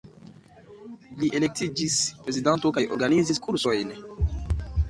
Li elektiĝis prezidanto kaj organizis kursojn.